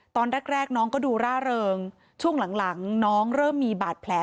ตอนแรกน้องก็ดูร่าเริงช่วงหลังน้องเริ่มมีบาดแผล